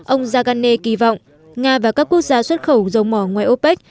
ông jagane kỳ vọng nga và các quốc gia xuất khẩu dầu mỏ ngoài opec